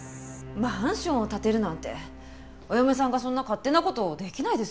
マンションを建てるなんてお嫁さんがそんな勝手な事できないですよね？